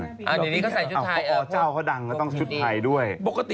นี่ที่เขาใส่ชุดไทย